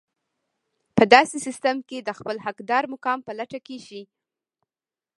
په داسې سيستم کې د خپل حقدار مقام په لټه کې شئ.